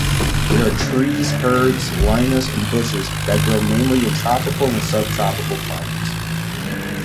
They are trees, herbs, lianas and bushes that grow mainly in tropical and subtropical climates.